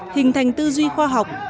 hình thành tư duy khoa học